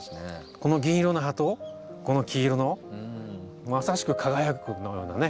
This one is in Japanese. この銀色の葉とこの黄色のまさしく輝くようなね